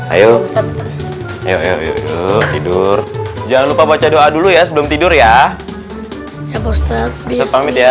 ayo ayo tidur jangan lupa baca doa dulu ya sebelum tidur ya ya postet bisa pamit ya